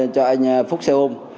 cho anh phúc xe hôm